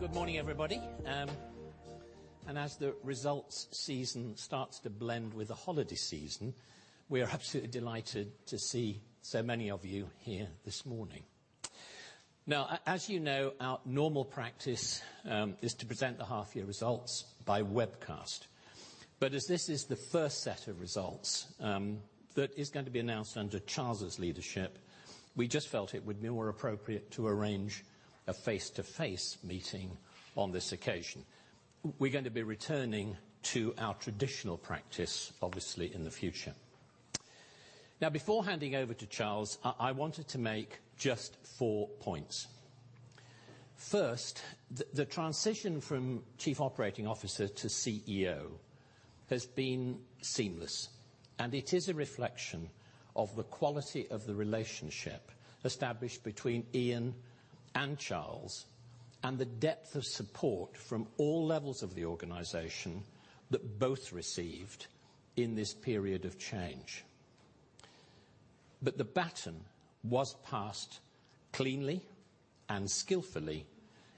Good morning, everybody. As the results season starts to blend with the holiday season, we are absolutely delighted to see so many of you here this morning. As you know, our normal practice is to present the half-year results by webcast. As this is the first set of results that is going to be announced under Charles' leadership, we just felt it would be more appropriate to arrange a face-to-face meeting on this occasion. We're going to be returning to our traditional practice, obviously, in the future. Now, before handing over to Charles, I wanted to make just four points. First, the transition from chief operating officer to CEO has been seamless, and it is a reflection of the quality of the relationship established between Ian and Charles, and the depth of support from all levels of the organization that both received in this period of change. The baton was passed cleanly and skillfully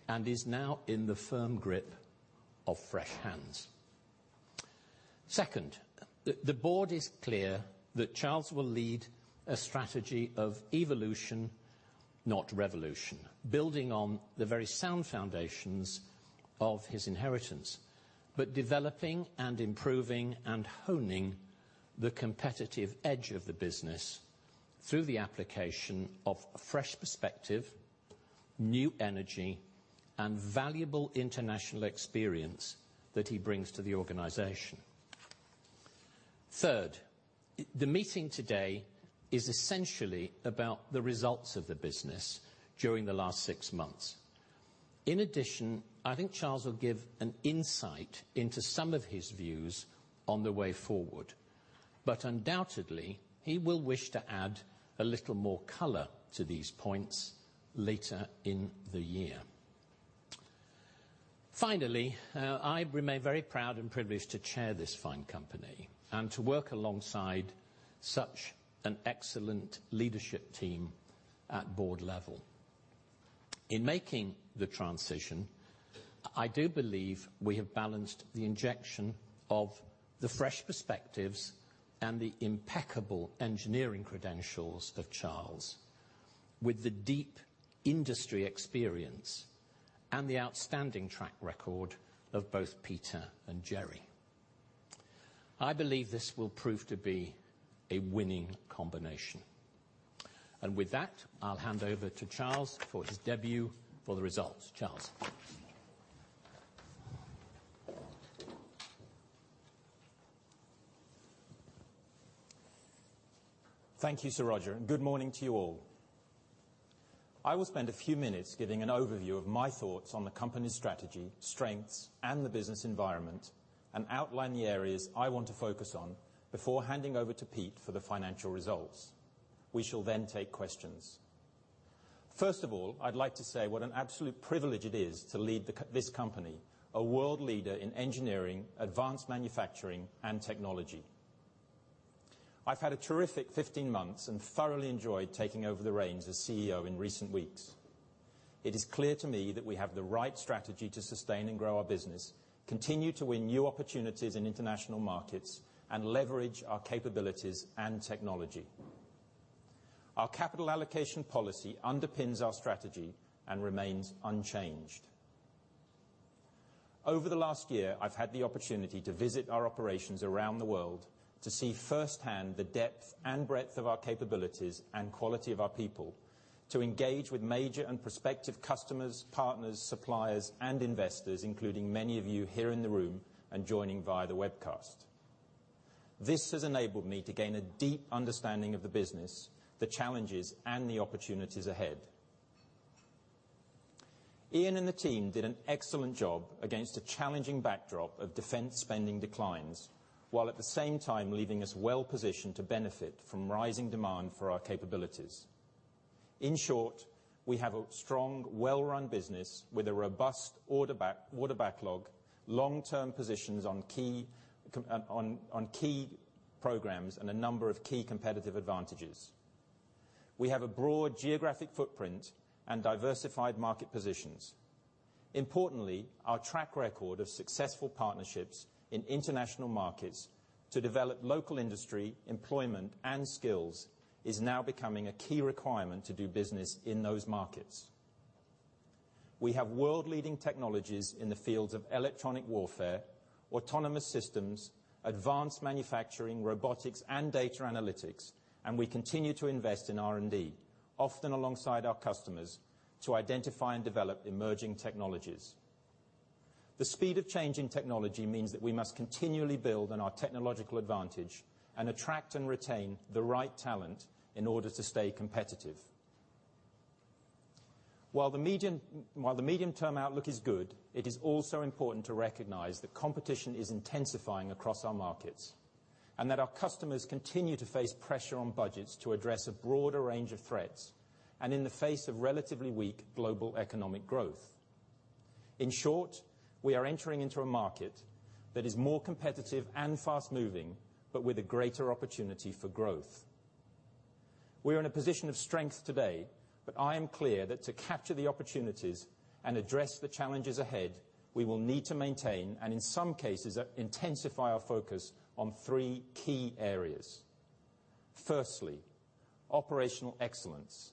and is now in the firm grip of fresh hands. Second, the board is clear that Charles will lead a strategy of evolution, not revolution, building on the very sound foundations of his inheritance, but developing and improving and honing the competitive edge of the business through the application of a fresh perspective, new energy, and valuable international experience that he brings to the organization. Third, the meeting today is essentially about the results of the business during the last six months. In addition, I think Charles will give an insight into some of his views on the way forward. Undoubtedly, he will wish to add a little more color to these points later in the year. Finally, I remain very proud and privileged to chair this fine company and to work alongside such an excellent leadership team at board level. In making the transition, I do believe we have balanced the injection of the fresh perspectives and the impeccable engineering credentials of Charles with the deep industry experience and the outstanding track record of both Peter and Jerry. I believe this will prove to be a winning combination. With that, I'll hand over to Charles for his debut for the results. Charles? Thank you, Sir Roger, and good morning to you all. I will spend a few minutes giving an overview of my thoughts on the company's strategy, strengths, and the business environment, and outline the areas I want to focus on before handing over to Pete for the financial results. We shall then take questions. First of all, I'd like to say what an absolute privilege it is to lead this company, a world leader in engineering, advanced manufacturing, and technology. I've had a terrific 15 months and thoroughly enjoyed taking over the reins as CEO in recent weeks. It is clear to me that we have the right strategy to sustain and grow our business, continue to win new opportunities in international markets, and leverage our capabilities and technology. Our capital allocation policy underpins our strategy and remains unchanged. Over the last year, I've had the opportunity to visit our operations around the world to see firsthand the depth and breadth of our capabilities and quality of our people, to engage with major and prospective customers, partners, suppliers, and investors, including many of you here in the room and joining via the webcast. This has enabled me to gain a deep understanding of the business, the challenges, and the opportunities ahead. Ian and the team did an excellent job against a challenging backdrop of defense spending declines, while at the same time leaving us well-positioned to benefit from rising demand for our capabilities. In short, we have a strong, well-run business with a robust order backlog, long-term positions on key programs, and a number of key competitive advantages. We have a broad geographic footprint and diversified market positions. Importantly, our track record of successful partnerships in international markets to develop local industry, employment, and skills is now becoming a key requirement to do business in those markets. We have world-leading technologies in the fields of electronic warfare, autonomous systems, advanced manufacturing, robotics, and data analytics, and we continue to invest in R&D, often alongside our customers, to identify and develop emerging technologies. The speed of change in technology means that we must continually build on our technological advantage and attract and retain the right talent in order to stay competitive. While the medium-term outlook is good, it is also important to recognize that competition is intensifying across our markets, and that our customers continue to face pressure on budgets to address a broader range of threats, and in the face of relatively weak global economic growth. In short, we are entering into a market that is more competitive and fast-moving, but with a greater opportunity for growth. We're in a position of strength today, but I am clear that to capture the opportunities and address the challenges ahead, we will need to maintain, and in some cases, intensify our focus on three key areas. Firstly, operational excellence.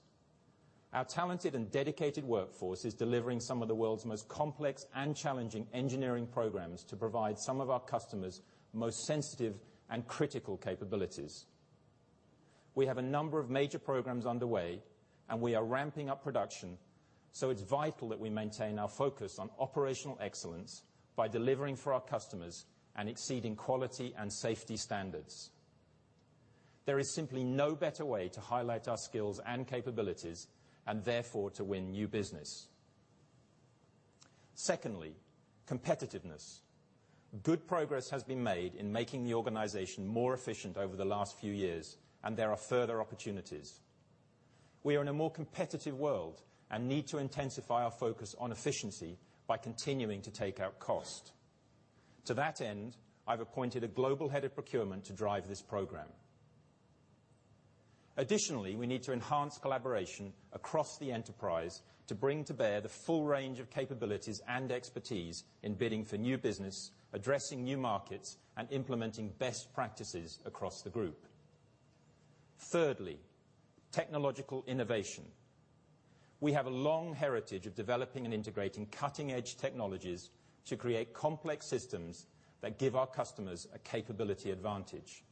Our talented and dedicated workforce is delivering some of the world's most complex and challenging engineering programs to provide some of our customers' most sensitive and critical capabilities. We have a number of major programs underway, and we are ramping up production, so it's vital that we maintain our focus on operational excellence by delivering for our customers and exceeding quality and safety standards. There is simply no better way to highlight our skills and capabilities, and therefore, to win new business. Secondly, competitiveness. Good progress has been made in making the organization more efficient over the last few years, and there are further opportunities. We are in a more competitive world, and need to intensify our focus on efficiency by continuing to take out cost. To that end, I've appointed a global head of procurement to drive this program. Additionally, we need to enhance collaboration across the enterprise to bring to bear the full range of capabilities and expertise in bidding for new business, addressing new markets, and implementing best practices across the group. Thirdly, technological innovation. We have a long heritage of developing and integrating cutting-edge technologies to create complex systems that give our customers a capability advantage.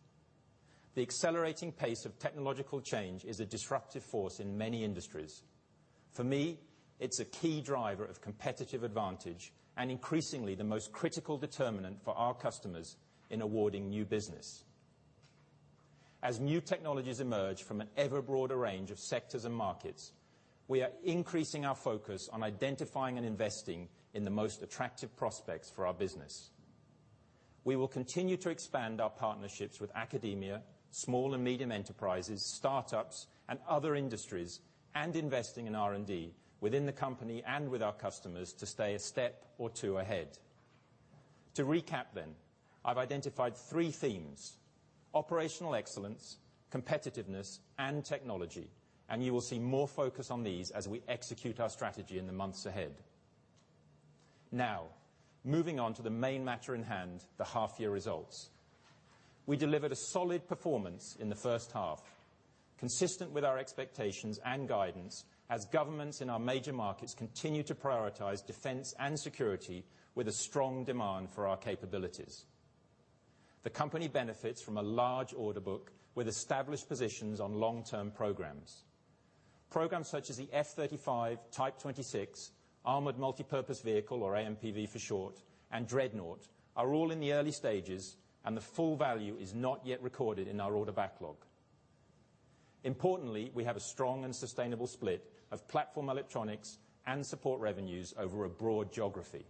The accelerating pace of technological change is a disruptive force in many industries. For me, it's a key driver of competitive advantage, and increasingly, the most critical determinant for our customers in awarding new business. As new technologies emerge from an ever broader range of sectors and markets, we are increasing our focus on identifying and investing in the most attractive prospects for our business. We will continue to expand our partnerships with academia, small and medium enterprises, startups, and other industries, and investing in R&D within the company and with our customers to stay a step or two ahead. To recap then, I've identified three themes, operational excellence, competitiveness, and technology, and you will see more focus on these as we execute our strategy in the months ahead. Moving on to the main matter in hand, the half-year results. We delivered a solid performance in the first half, consistent with our expectations and guidance as governments in our major markets continue to prioritize defense and security with a strong demand for our capabilities. The company benefits from a large order book with established positions on long-term programs. Programs such as the F-35, Type 26, Armored Multi-Purpose Vehicle, or AMPV for short, and Dreadnought are all in the early stages, and the full value is not yet recorded in our order backlog. Importantly, we have a strong and sustainable split of platform electronics and support revenues over a broad geography.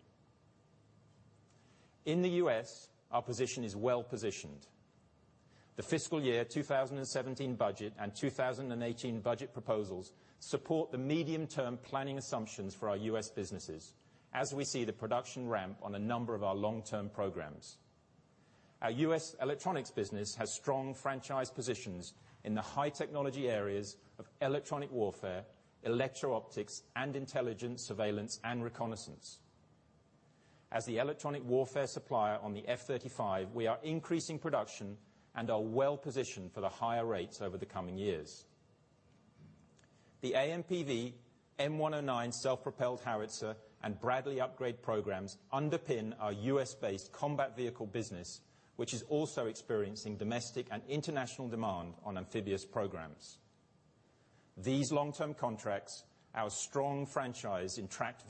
In the U.S., our position is well-positioned. The fiscal year 2017 budget and 2018 budget proposals support the medium-term planning assumptions for our U.S. businesses as we see the production ramp on a number of our long-term programs. Our U.S. electronics business has strong franchise positions in the high technology areas of electronic warfare, electro-optics, and intelligence, surveillance, and reconnaissance. As the electronic warfare supplier on the F-35, we are increasing production and are well-positioned for the higher rates over the coming years. The AMPV, M109 self-propelled howitzer, and Bradley upgrade programs underpin our U.S.-based combat vehicle business, which is also experiencing domestic and international demand on amphibious programs. These long-term contracts, our strong franchise in tracked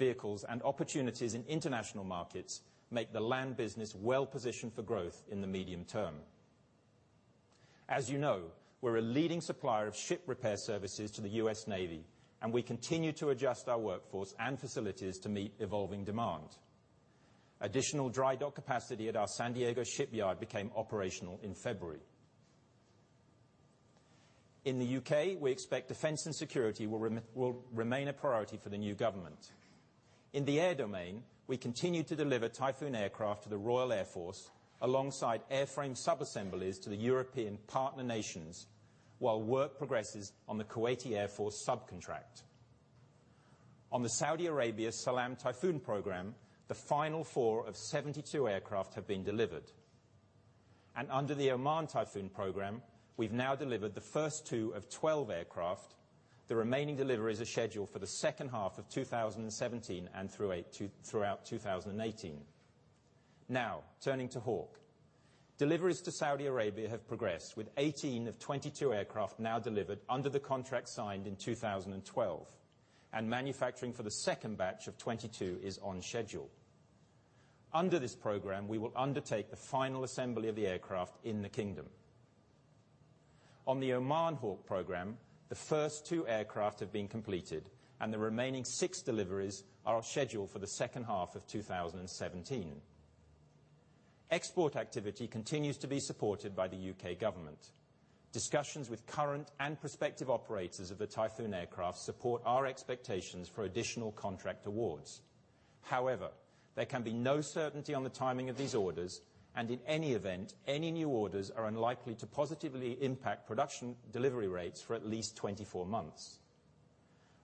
vehicles, and opportunities in international markets make the land business well-positioned for growth in the medium term. As you know, we're a leading supplier of ship repair services to the U.S. Navy, and we continue to adjust our workforce and facilities to meet evolving demand. Additional dry dock capacity at our San Diego shipyard became operational in February. In the U.K., we expect defense and security will remain a priority for the new government. In the air domain, we continue to deliver Typhoon aircraft to the Royal Air Force, alongside airframe subassemblies to the European partner nations, while work progresses on the Kuwait Air Force subcontract. On the Saudi Arabia SALAM Typhoon program, the final four of 72 aircraft have been delivered. Under the Oman Typhoon program, we've now delivered the first two of 12 aircraft. The remaining deliveries are scheduled for the second half of 2017 and throughout 2018. Turning to Hawk. Deliveries to Saudi Arabia have progressed, with 18 of 22 aircraft now delivered under the contract signed in 2012, and manufacturing for the second batch of 22 is on schedule. Under this program, we will undertake the final assembly of the aircraft in the kingdom. On the Omani Hawk program, the first 2 aircraft have been completed, and the remaining 6 deliveries are scheduled for the second half of 2017. Export activity continues to be supported by the U.K. government. Discussions with current and prospective operators of the Typhoon aircraft support our expectations for additional contract awards. However, there can be no certainty on the timing of these orders, and in any event, any new orders are unlikely to positively impact production delivery rates for at least 24 months.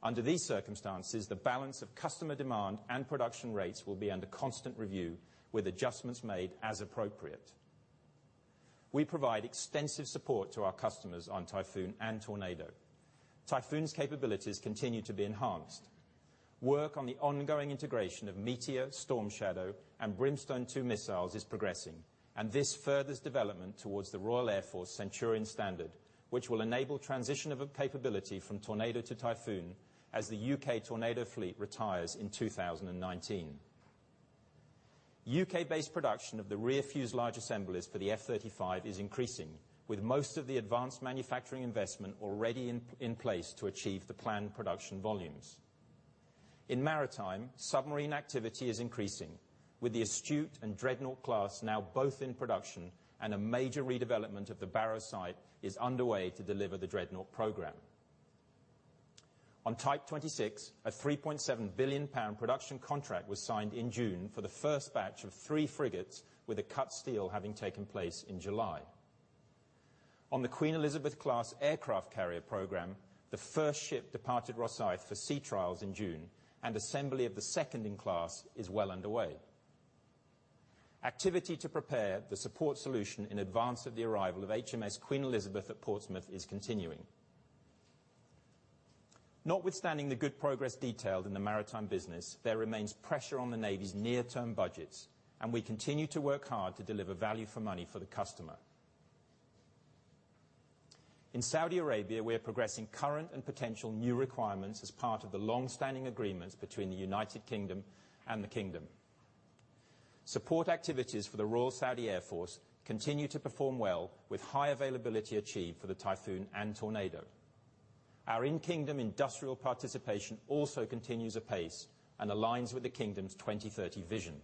Under these circumstances, the balance of customer demand and production rates will be under constant review, with adjustments made as appropriate. We provide extensive support to our customers on Typhoon and Tornado. Typhoon's capabilities continue to be enhanced. Work on the ongoing integration of Meteor, Storm Shadow, and Brimstone 2 missiles is progressing, and this furthers development towards the Royal Air Force Centurion standard, which will enable transition of a capability from Tornado to Typhoon as the U.K. Tornado fleet retires in 2019. U.K.-based production of the rear fuselage large assemblies for the F-35 is increasing, with most of the advanced manufacturing investment already in place to achieve the planned production volumes. In Maritime, submarine activity is increasing, with the Astute and Dreadnought class now both in production, and a major redevelopment of the Barrow site is underway to deliver the Dreadnought program. On Type 26, a 3.7 billion pound production contract was signed in June for the first batch of 3 frigates, with a cut steel having taken place in July. On the Queen Elizabeth-class aircraft carrier program, the first ship departed Rosyth for sea trials in June, and assembly of the second in class is well underway. Activity to prepare the support solution in advance of the arrival of HMS Queen Elizabeth at Portsmouth is continuing. Notwithstanding the good progress detailed in the Maritime business, there remains pressure on the Navy's near-term budgets, and we continue to work hard to deliver value for money for the customer. In Saudi Arabia, we're progressing current and potential new requirements as part of the longstanding agreements between the U.K. and the Kingdom. Support activities for the Royal Saudi Air Force continue to perform well, with high availability achieved for the Typhoon and Tornado. Our in-Kingdom industrial participation also continues apace and aligns with the Kingdom's 2030 Vision.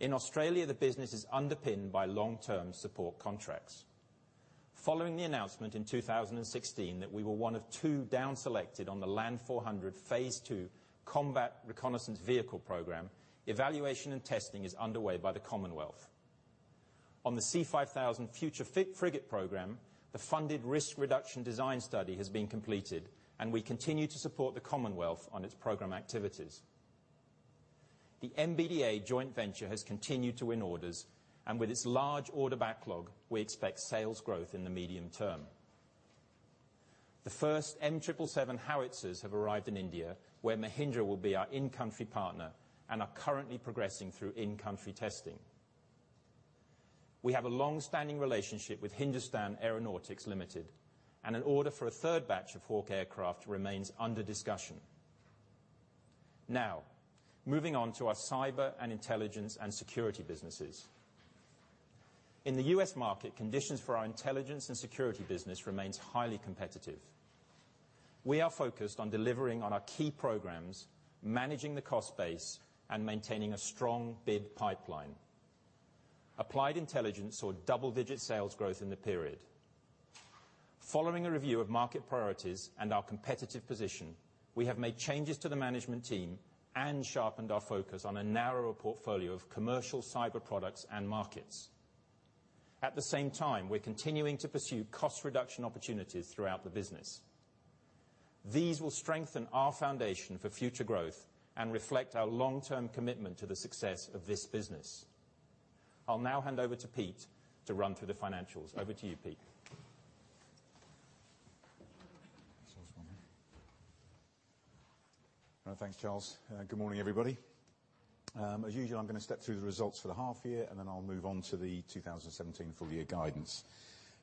In Australia, the business is underpinned by long-term support contracts. Following the announcement in 2016 that we were one of 2 downselected on the Land 400 Phase 2 combat reconnaissance vehicle program, evaluation and testing is underway by the Commonwealth. On the Sea 5000 future frigate program, the funded risk reduction design study has been completed, and we continue to support the Commonwealth on its program activities. The MBDA joint venture has continued to win orders, and with its large order backlog, we expect sales growth in the medium term. The first M777 howitzers have arrived in India, where Mahindra will be our in-country partner, and are currently progressing through in-country testing. We have a longstanding relationship with Hindustan Aeronautics Limited, and an order for a third batch of Hawk aircraft remains under discussion. Moving on to our cyber and intelligence and security businesses. In the U.S. market, conditions for our intelligence and security business remains highly competitive. We are focused on delivering on our key programs, managing the cost base, and maintaining a strong bid pipeline. BAE Systems Applied Intelligence saw double-digit sales growth in the period. Following a review of market priorities and our competitive position, we have made changes to the management team and sharpened our focus on a narrower portfolio of commercial cyber products and markets. At the same time, we're continuing to pursue cost reduction opportunities throughout the business. These will strengthen our foundation for future growth and reflect our long-term commitment to the success of this business. I'll now hand over to Pete to run through the financials. Over to you, Pete. Thanks, Charles. Good morning, everybody. As usual, I'm going to step through the results for the half year. I'll move on to the 2017 full-year guidance.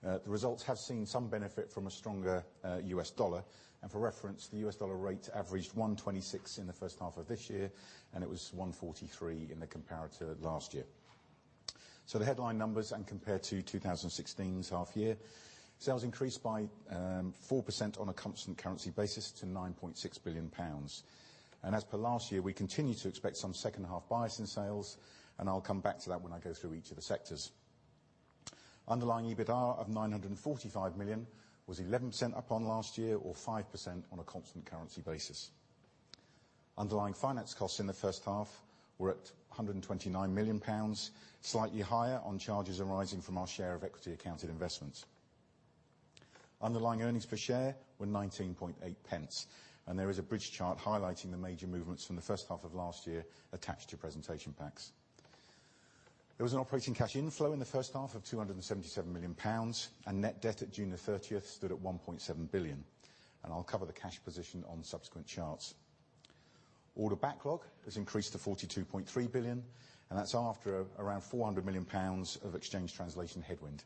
The results have seen some benefit from a stronger US dollar. The US dollar rate averaged 1.26 in the first half of this year. It was 1.43 in the comparator last year. The headline numbers compared to 2016's half year, sales increased by 4% on a constant currency basis to 9.6 billion pounds. As per last year, we continue to expect some second half bias in sales. I'll come back to that when I go through each of the sectors. Underlying EBITA of 945 million, was 11% up on last year or 5% on a constant currency basis. Underlying finance costs in the first half were at 129 million pounds, slightly higher on charges arising from our share of equity accounted investments. Underlying earnings per share were 0.198. There is a bridge chart highlighting the major movements from the first half of last year attached to your presentation packs. There was an operating cash inflow in the first half of 277 million pounds. Net debt at June 30th stood at 1.7 billion. I'll cover the cash position on subsequent charts. Order backlog has increased to 42.3 billion. That's after around 400 million pounds of exchange translation headwind.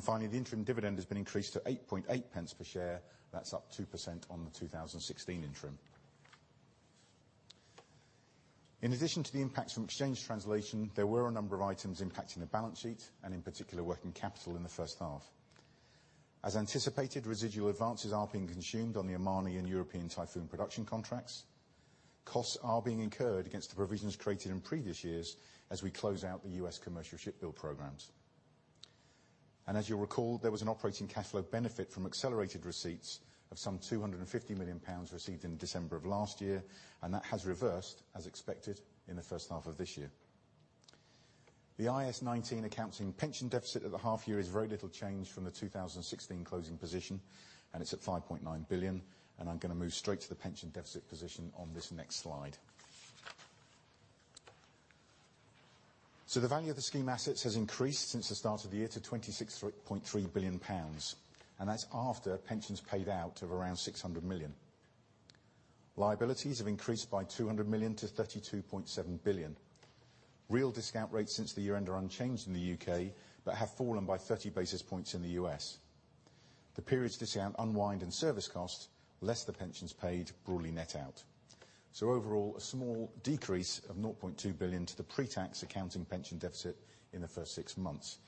Finally, the interim dividend has been increased to 0.088 per share. That's up 2% on the 2016 interim. In addition to the impacts from exchange translation, there were a number of items impacting the balance sheet and, in particular, working capital in the first half. As anticipated, residual advances are being consumed on the Omani and European Typhoon production contracts. Costs are being incurred against the provisions created in previous years as we close out the U.S. commercial ship build programs. As you'll recall, there was an operating cash flow benefit from accelerated receipts of some 250 million pounds received in December of last year. That has reversed as expected in the first half of this year. The IAS 19 accounting pension deficit at the half year is very little change from the 2016 closing position. It's at 5.9 billion. I'm going to move straight to the pension deficit position on this next slide. The value of the scheme assets has increased since the start of the year to 26.3 billion pounds. That's after pensions paid out of around 600 million. Liabilities have increased by 200 million to 32.7 billion. Real discount rates since the year-end are unchanged in the U.K., but have fallen by 30 basis points in the U.S. The period's discount unwind and service cost, less the pensions paid, broadly net out. Overall, a small decrease of 0.2 billion to the pre-tax accounting pension deficit in the first six months.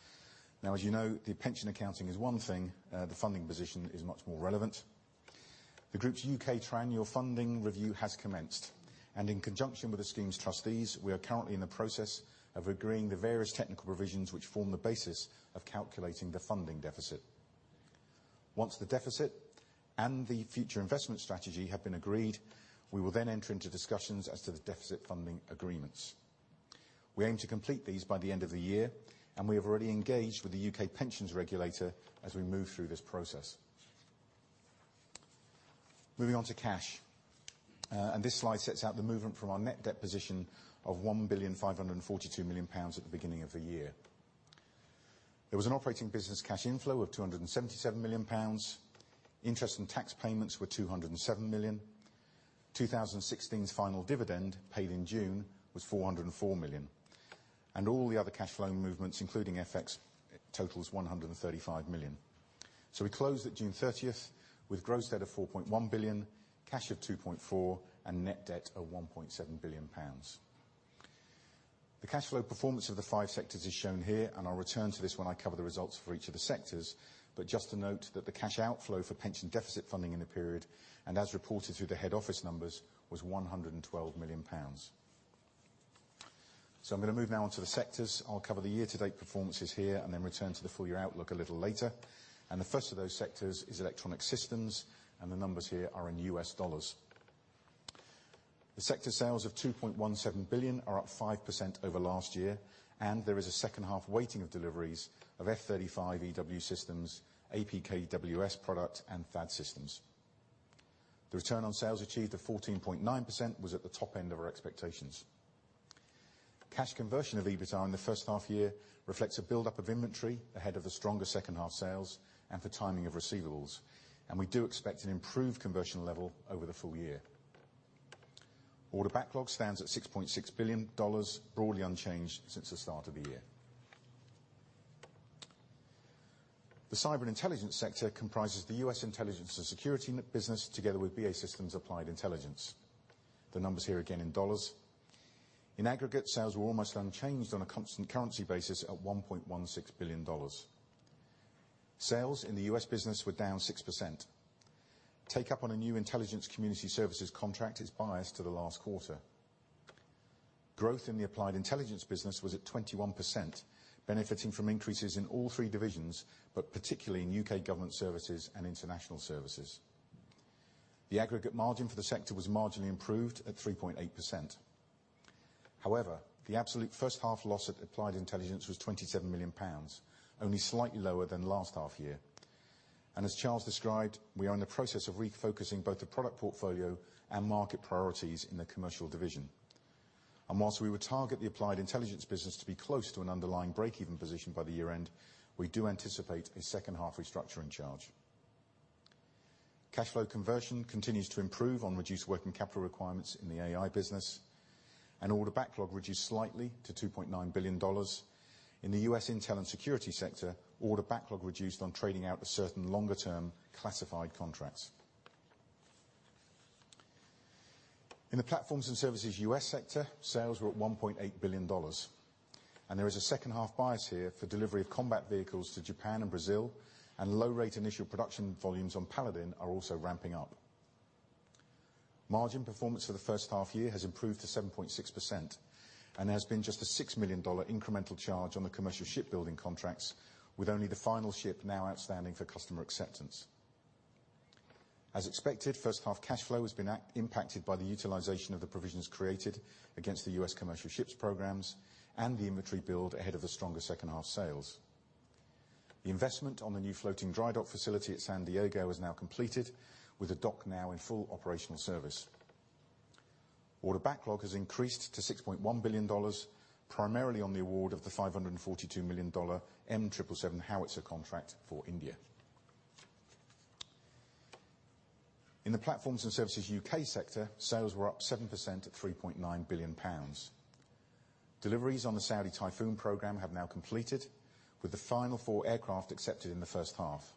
As you know, the pension accounting is one thing, the funding position is much more relevant. The group's U.K. triennial funding review has commenced, and in conjunction with the scheme's trustees, we are currently in the process of agreeing the various technical provisions which form the basis of calculating the funding deficit. Once the deficit and the future investment strategy have been agreed, we will then enter into discussions as to the deficit funding agreements. We aim to complete these by the end of the year, we have already engaged with the U.K. pensions regulator as we move through this process. Moving on to cash. This slide sets out the movement from our net debt position of 1,542 million pounds at the beginning of the year. There was an operating business cash inflow of 277 million pounds. Interest and tax payments were 207 million. 2016's final dividend, paid in June, was 404 million. All the other cash flow movements, including FX, totals 135 million. We closed at June 30th with gross debt of 4.1 billion, cash of 2.4 billion, and net debt of 1.7 billion pounds. The cash flow performance of the five sectors is shown here, and I'll return to this when I cover the results for each of the sectors. Just to note that the cash outflow for pension deficit funding in the period, and as reported through the head office numbers, was 112 million pounds. I'm going to move now on to the sectors. I'll cover the year-to-date performances here, and then return to the full-year outlook a little later. The first of those sectors is Electronic Systems, and the numbers here are in U.S. dollars. The sector sales of $2.17 billion are up 5% over last year, there is a second half weighting of deliveries of F-35 EW systems, APKWS product, and THAAD systems. The return on sales achieved of 14.9% was at the top end of our expectations. Cash conversion of EBITDA in the first half year reflects a build-up of inventory ahead of the stronger second half sales and the timing of receivables, we do expect an improved conversion level over the full year. Order backlog stands at $6.6 billion, broadly unchanged since the start of the year. The cyber and intelligence sector comprises the U.S. intelligence and security business together with BAE Systems Applied Intelligence. The numbers here again in dollars. In aggregate, sales were almost unchanged on a constant currency basis at $1.16 billion. Sales in the U.S. business were down 6%. Take-up on a new intelligence community services contract is biased to the last quarter. Growth in the Applied Intelligence business was at 21%, benefiting from increases in all three divisions, but particularly in U.K. government services and international services. The aggregate margin for the sector was marginally improved at 3.8%. However, the absolute first half loss at BAE Systems Applied Intelligence was £27 million, only slightly lower than last half year. As Charles described, we are in the process of refocusing both the product portfolio and market priorities in the commercial division. Whilst we would target the BAE Systems Applied Intelligence business to be close to an underlying break-even position by the year-end, we do anticipate a second half restructuring charge. Cash flow conversion continues to improve on reduced working capital requirements in the AI business, and order backlog reduced slightly to $2.9 billion. In the U.S. intel and security sector, order backlog reduced on trading out of certain longer-term classified contracts. In the platforms and services U.S. sector, sales were up $1.8 billion. There is a second half bias here for delivery of combat vehicles to Japan and Brazil, and low-rate initial production volumes on Paladin are also ramping up. Margin performance for the first half year has improved to 7.6%. There has been just a $6 million incremental charge on the U.S. commercial shipbuilding contracts, with only the final ship now outstanding for customer acceptance. As expected, first half cash flow has been impacted by the utilization of the provisions created against the U.S. commercial ships programs and the inventory build ahead of the stronger second half sales. The investment on the new floating dry dock facility at San Diego is now completed, with the dock now in full operational service. Order backlog has increased to $6.1 billion, primarily on the award of the $542 million M777 howitzer contract for India. In the platforms and services U.K. sector, sales were up 7% at £3.9 billion. Deliveries on the Saudi Typhoon program have now completed, with the final four aircraft accepted in the first half.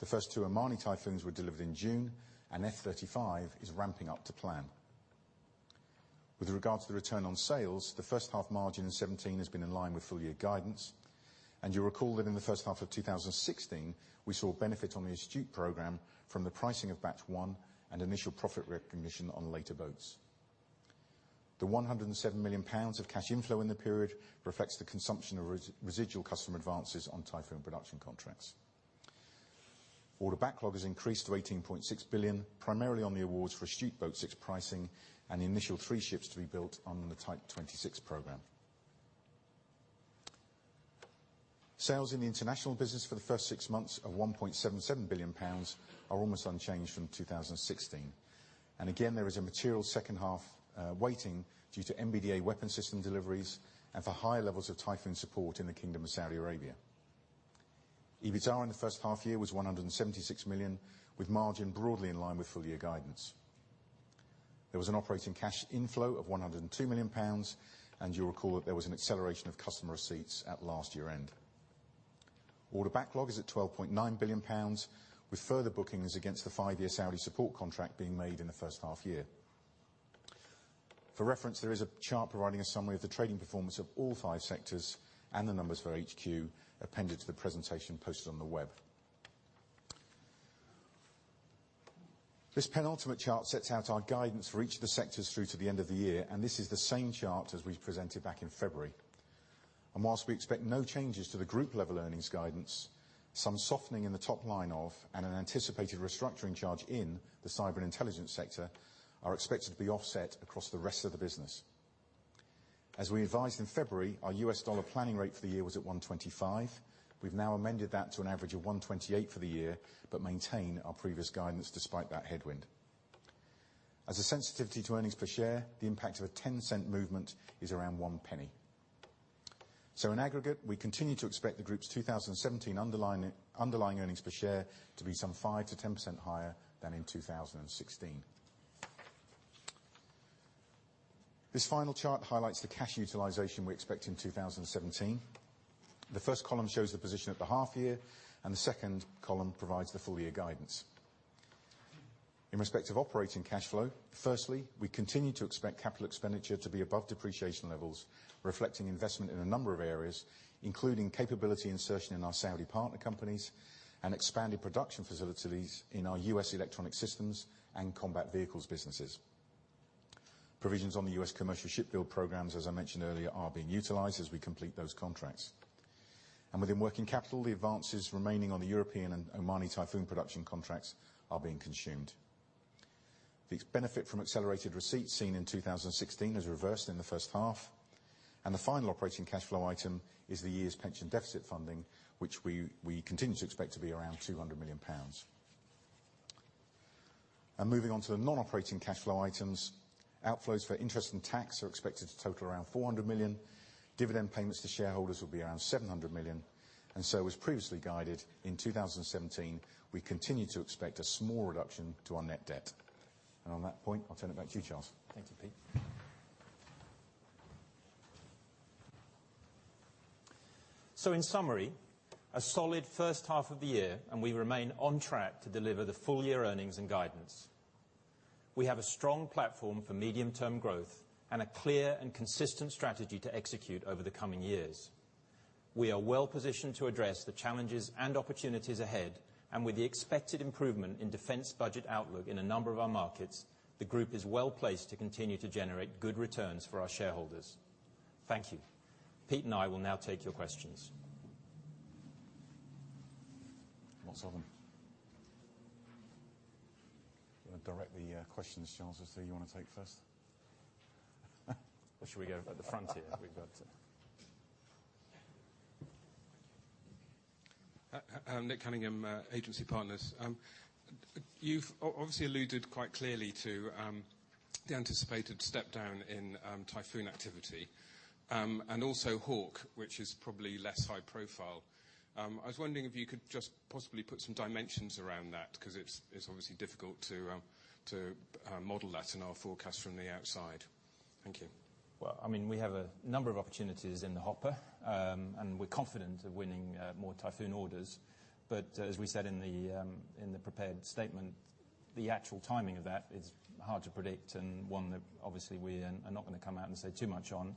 The first two Omani Typhoons were delivered in June. F-35 is ramping up to plan. With regard to the return on sales, the first half margin in 2017 has been in line with full-year guidance. You'll recall that in the first half of 2016, we saw benefit on the Astute program from the pricing of Batch One and initial profit recognition on later boats. The £107 million of cash inflow in the period reflects the consumption of residual customer advances on Typhoon production contracts. Order backlog has increased to 18.6 billion, primarily on the awards for Astute Boat 6 pricing and the initial three ships to be built on the Type 26 program. Sales in the international business for the first six months of £1.77 billion are almost unchanged from 2016. Again, there is a material second half waiting due to MBDA weapon system deliveries and for high levels of Typhoon support in the Kingdom of Saudi Arabia. EBITA in the first half year was 176 million, with margin broadly in line with full-year guidance. There was an operating cash inflow of £102 million. You'll recall that there was an acceleration of customer receipts at last year-end. Order backlog is at £12.9 billion, with further bookings against the five-year Saudi support contract being made in the first half year. For reference, there is a chart providing a summary of the trading performance of all five sectors and the numbers for HQ appended to the presentation posted on the web. This penultimate chart sets out our guidance for each of the sectors through to the end of the year. This is the same chart as we presented back in February. Whilst we expect no changes to the group-level earnings guidance, some softening in the top line of, and an anticipated restructuring charge in the cyber intelligence sector are expected to be offset across the rest of the business. As we advised in February, our U.S. dollar planning rate for the year was at $1.25. We've now amended that to an average of $1.28 for the year. Maintain our previous guidance despite that headwind. As a sensitivity to earnings per share, the impact of a $0.10 movement is around 0.01. In aggregate, we continue to expect the group's 2017 underlying earnings per share to be some 5%-10% higher than in 2016. This final chart highlights the cash utilization we expect in 2017. The first column shows the position at the half year. The second column provides the full-year guidance. In respect of operating cash flow, firstly, we continue to expect capital expenditure to be above depreciation levels, reflecting investment in a number of areas, including capability insertion in our Saudi partner companies and expanded production facilities in our U.S. Electronic Systems and combat vehicles businesses. Provisions on the U.S. commercial ship build programs, as I mentioned earlier, are being utilized as we complete those contracts. Within working capital, the advances remaining on the European and Omani Typhoon production contracts are being consumed. The benefit from accelerated receipts seen in 2016 has reversed in the first half. The final operating cash flow item is the year's pension deficit funding, which we continue to expect to be around 200 million pounds. Moving on to the non-operating cash flow items, outflows for interest and tax are expected to total around 400 million. Dividend payments to shareholders will be around 700 million. As previously guided, in 2017, we continue to expect a small reduction to our net debt. On that point, I'll turn it back to you, Charles. Thank you, Pete. In summary, a solid first half of the year. We remain on track to deliver the full-year earnings and guidance. We have a strong platform for medium-term growth and a clear and consistent strategy to execute over the coming years. We are well-positioned to address the challenges and opportunities ahead. With the expected improvement in defense budget outlook in a number of our markets, the group is well-placed to continue to generate good returns for our shareholders. Thank you. Pete and I will now take your questions. Lots of them. You want to direct the questions, Charles, as to who you want to take first? Should we go by the front here? Nick Cunningham, Agency Partners. You've obviously alluded quite clearly to the anticipated step down in Typhoon activity, and also Hawk, which is probably less high profile. I was wondering if you could just possibly put some dimensions around that, because it's obviously difficult to model that in our forecast from the outside. Thank you. Well, we have a number of opportunities in the hopper, and we're confident of winning more Typhoon orders. As we said in the prepared statement, the actual timing of that is hard to predict and one that obviously we are not going to come out and say too much on.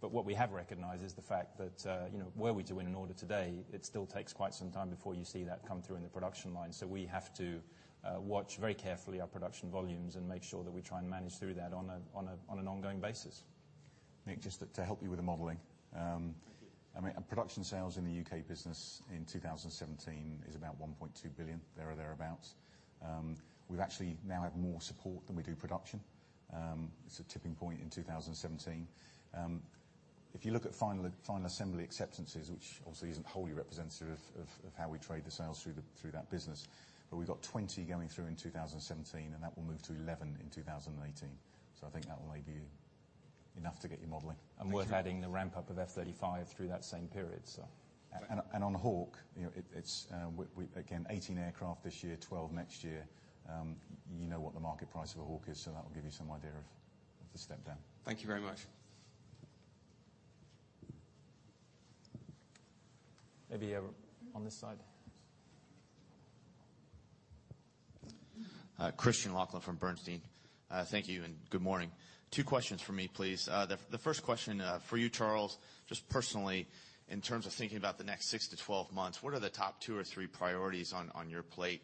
What we have recognized is the fact that, where we to win an order today, it still takes quite some time before you see that come through in the production line. We have to watch very carefully our production volumes and make sure that we try and manage through that on an ongoing basis. Nick, just to help you with the modeling. Thank you. Production sales in the U.K. business in 2017 is about 1.2 billion, there or thereabouts. We actually now have more support than we do production. It's a tipping point in 2017. If you look at final assembly acceptances, which obviously isn't wholly representative of how we trade the sales through that business, but we've got 20 going through in 2017, and that will move to 11 in 2018. I think that will maybe enough to get you modeling. Worth adding the ramp-up of F-35 through that same period. On Hawk, it's again, 18 aircraft this year, 12 next year. You know what the market price of a Hawk is, so that will give you some idea of the step down. Thank you very much. Maybe on this side. Christian Laughlin from Bernstein. Thank you, and good morning. Two questions from me, please. The first question, for you, Charles, just personally, in terms of thinking about the next six to 12 months, what are the top two or three priorities on your plate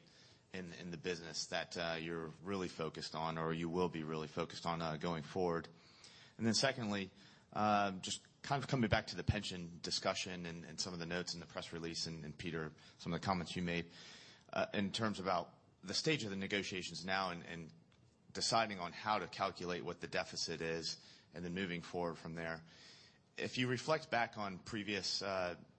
in the business that you're really focused on or you will be really focused on going forward? Then secondly, just kind of coming back to the pension discussion and some of the notes in the press release, and Peter, some of the comments you made, in terms about the stage of the negotiations now and deciding on how to calculate what the deficit is, and then moving forward from there. If you reflect back on previous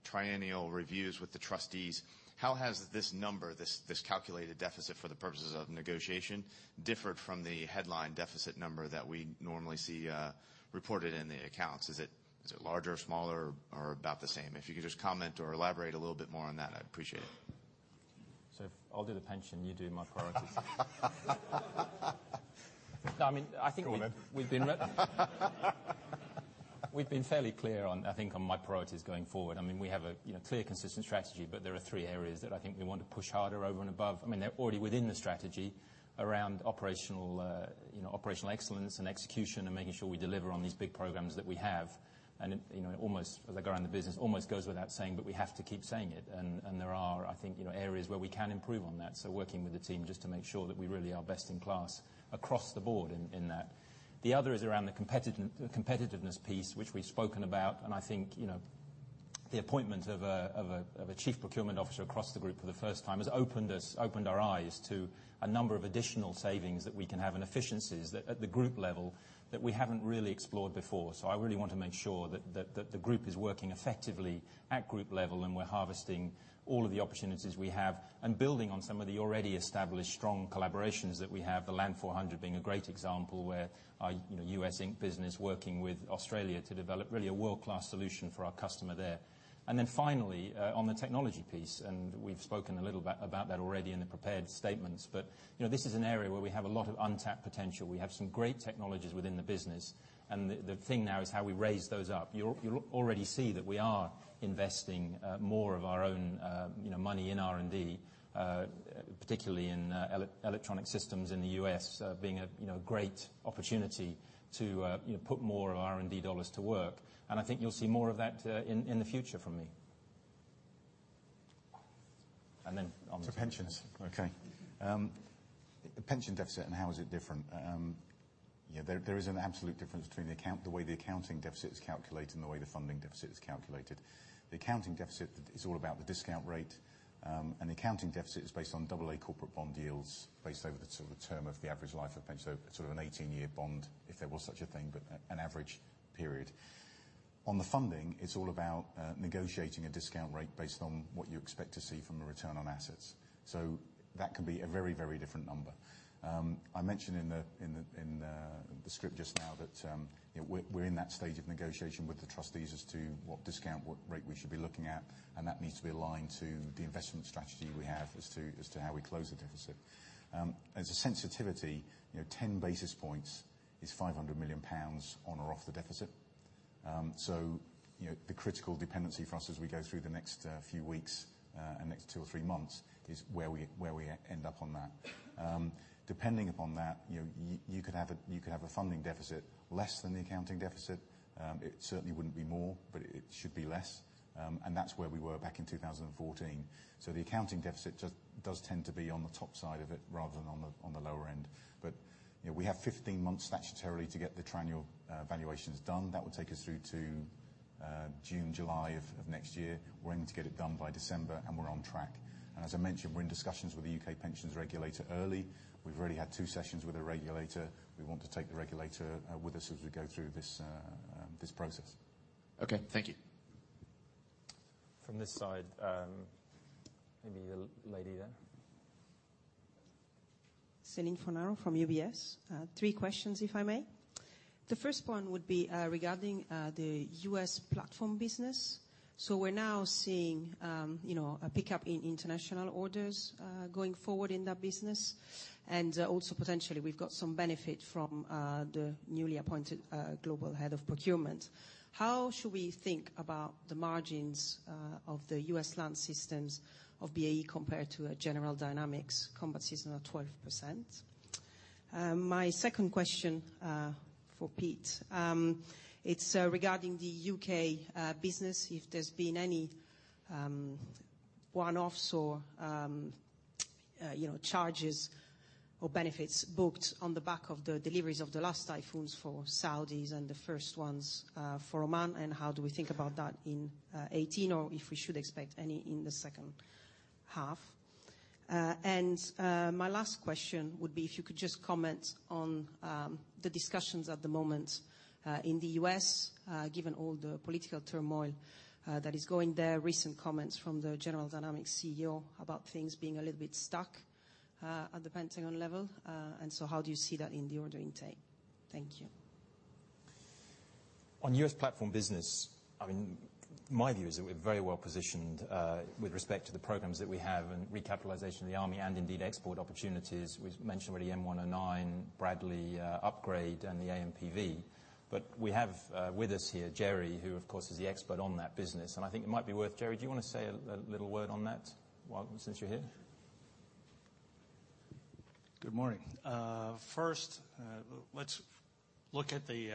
triennial reviews with the trustees, how has this number, this calculated deficit for the purposes of negotiation, differed from the headline deficit number that we normally see reported in the accounts? Is it larger, smaller, or about the same? If you could just comment or elaborate a little bit more on that, I'd appreciate it. I'll do the pension. You do my priorities. Go on, then. We've been fairly clear, I think, on my priorities going forward. We have a clear, consistent strategy, there are three areas that I think we want to push harder over and above. They're already within the strategy around operational excellence and execution and making sure we deliver on these big programs that we have. As I go around the business, almost goes without saying, but we have to keep saying it, and there are, I think, areas where we can improve on that. Working with the team just to make sure that we really are best in class across the board in that. I think the appointment of a chief procurement officer across the group for the first time has opened our eyes to a number of additional savings that we can have, and efficiencies at the group level that we haven't really explored before. I really want to make sure that the group is working effectively at group level, and we're harvesting all of the opportunities we have and building on some of the already established strong collaborations that we have, the Land 400 being a great example, where our U.S. Inc. business working with Australia to develop really a world-class solution for our customer there. Then finally, on the technology piece, we've spoken a little about that already in the prepared statements, but this is an area where we have a lot of untapped potential. We have some great technologies within the business, the thing now is how we raise those up. You'll already see that we are investing more of our own money in R&D, particularly in Electronic Systems in the U.S., being a great opportunity to put more of our R&D dollars to work. I think you'll see more of that in the future from me. Then on to pensions. To pensions. Okay. The pension deficit, how is it different? There is an absolute difference between the way the accounting deficit is calculated and the way the funding deficit is calculated. The accounting deficit is all about the discount rate, the accounting deficit is based on AA corporate bond yields based over the term of the average life of pension, so sort of an 18-year bond, if there was such a thing, but an average period. On the funding, it's all about negotiating a discount rate based on what you expect to see from a return on assets. That can be a very, very different number. I mentioned in the script just now that we're in that stage of negotiation with the trustees as to what discount, what rate we should be looking at, that needs to be aligned to the investment strategy we have as to how we close the deficit. As a sensitivity, 10 basis points is 500 million pounds on or off the deficit. The critical dependency for us as we go through the next few weeks and next two or three months is where we end up on that. Depending upon that, you could have a funding deficit less than the accounting deficit. It certainly wouldn't be more, but it should be less. That's where we were back in 2014. The accounting deficit does tend to be on the top side of it rather than on the lower end. We have 15 months statutorily to get the triennial valuations done. That will take us through to June, July of next year. We're aiming to get it done by December, we're on track. As I mentioned, we're in discussions with the U.K. pensions regulator early. We've already had two sessions with the regulator. We want to take the regulator with us as we go through this process. Okay. Thank you. From this side, maybe the lady there. Céline Fornaro from UBS. Three questions, if I may. The first one would be regarding the U.S. platform business. We're now seeing a pickup in international orders going forward in that business. Also potentially, we've got some benefit from the newly appointed global head of procurement. How should we think about the margins of the U.S. land systems of BAE compared to a General Dynamics combat system of 12%? My second question for Pete, it's regarding the U.K. business, if there's been any one-offs or charges or benefits booked on the back of the deliveries of the last Typhoons for Saudis and the first ones for Oman, and how do we think about that in 2018, or if we should expect any in the second half? My last question would be if you could just comment on the discussions at the moment in the U.S., given all the political turmoil that is going there, recent comments from the General Dynamics CEO about things being a little bit stuck at the Pentagon level. How do you see that in the order intake? Thank you. On U.S. platform business, my view is that we're very well-positioned with respect to the programs that we have and recapitalization of the Army and indeed export opportunities. We mentioned already M109, Bradley upgrade, and the AMPV. We have with us here, Jerry, who of course, is the expert on that business, and I think it might be worth, Jerry, do you want to say a little word on that since you're here? Good morning. First, let's look at the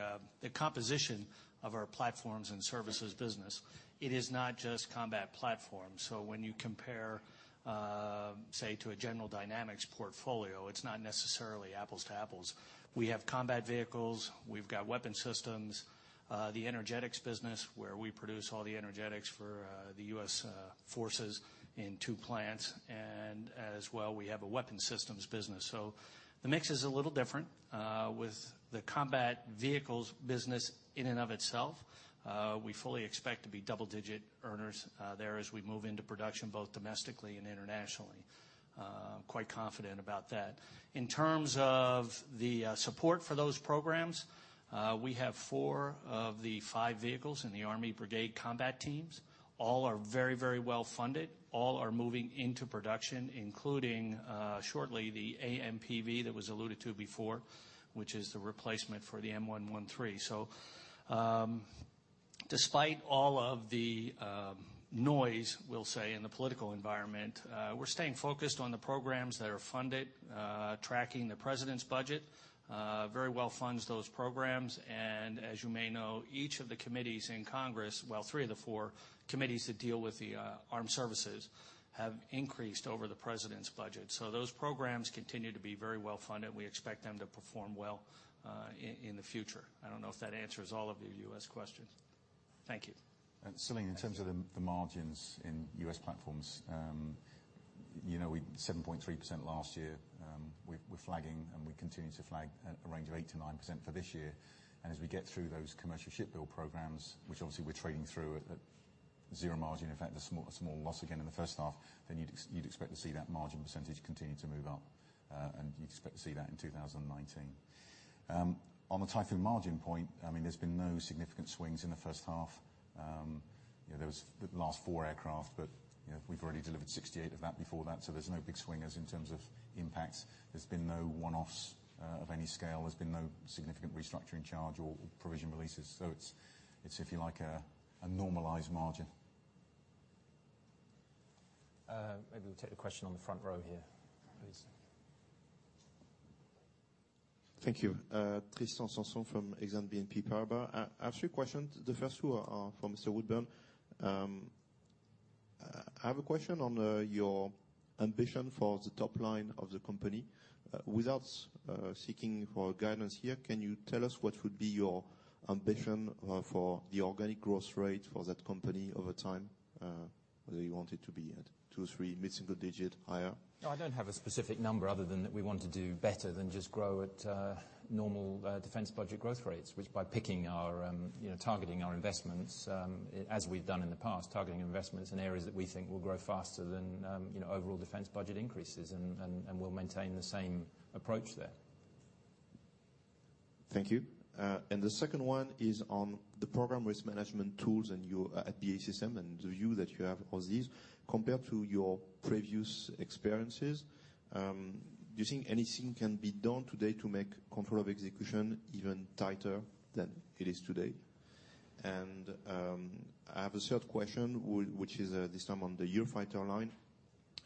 composition of our platforms and services business. It is not just combat platforms, when you compare, say, to a General Dynamics portfolio, it's not necessarily apples to apples. We have combat vehicles, we've got weapon systems, the energetics business, where we produce all the energetics for the U.S. forces in two plants, and as well, we have a weapon systems business. The mix is a little different. With the combat vehicles business in and of itself, we fully expect to be double-digit earners there as we move into production, both domestically and internationally. Quite confident about that. In terms of the support for those programs, we have four of the five vehicles in the Army brigade combat teams. All are very well-funded, all are moving into production, including, shortly, the AMPV that was alluded to before, which is the replacement for the M113. Despite all of the noise, we'll say, in the political environment, we're staying focused on the programs that are funded, tracking the President's budget, very well funds those programs, and as you may know, each of the committees in Congress, well, three of the four committees that deal with the Armed Services, have increased over the President's budget. Those programs continue to be very well-funded. We expect them to perform well in the future. I don't know if that answers all of the U.S. questions. Thank you. Céline, in terms of the margins in U.S. platforms, 7.3% last year, we're flagging and we continue to flag a range of 8%-9% for this year. As we get through those commercial ship build programs, which obviously we're trading through at zero margin, in fact, a small loss again in the first half, then you'd expect to see that margin percentage continue to move up, and you'd expect to see that in 2019. On the Typhoon margin point, there's been no significant swings in the first half. There was the last four aircraft, but we've already delivered 68 of that before that, there's no big swingers in terms of impacts. There's been no one-offs of any scale, there's been no significant restructuring charge or provision releases, it's, if you like, a normalized margin. Maybe we'll take the question on the front row here, please. Thank you. Tristan Sanson from Exane BNP Paribas. I have three questions. The first two are for Mr. Woodburn. I have a question on your ambition for the top line of the company. Without seeking for guidance here, can you tell us what would be your ambition for the organic growth rate for that company over time? Whether you want it to be at two, three, mid-single digit, higher? I don't have a specific number other than that we want to do better than just grow at normal defense budget growth rates, which by targeting our investments, as we've done in the past, targeting investments in areas that we think will grow faster than overall defense budget increases. We'll maintain the same approach there. Thank you. The second one is on the program risk management tools at BAE Systems, and the view that you have of these, compared to your previous experiences. Do you think anything can be done today to make control of execution even tighter than it is today? I have a third question, which is this time on the Eurofighter line.